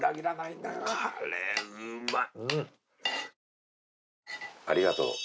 カレーうまい。